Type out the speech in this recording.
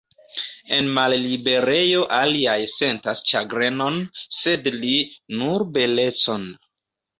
En malliberejo, aliaj sentas ĉagrenon, sed li, nur belecon.